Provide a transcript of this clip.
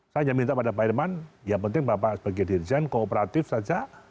saya hanya minta pada pak irman yang penting bapak sebagai dirjen kooperatif saja